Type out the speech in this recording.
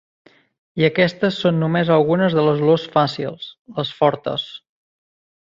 I aquestes són només algunes de les olors fàcils, les fortes.